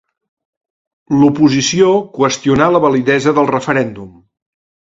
L'oposició qüestionà la validesa del referèndum.